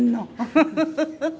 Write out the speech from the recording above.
フフフッ！